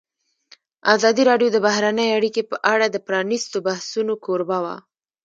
ازادي راډیو د بهرنۍ اړیکې په اړه د پرانیستو بحثونو کوربه وه.